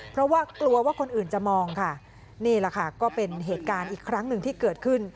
เพราะว่ากลัวว่าคนอื่นจะมองค่ะนี่แหละค่ะก็เป็นเหตุการณ์อีกครั้งหนึ่งที่เกิดขึ้น